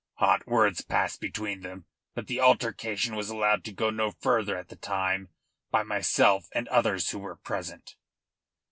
Hot words passed between them, but the altercation was allowed to go no further at the time by myself and others who were present."